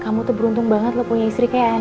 kamu tuh beruntung banget punya istri kayak andin